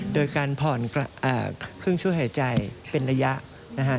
โดยการผ่อนเครื่องช่วยหายใจเป็นระยะนะฮะ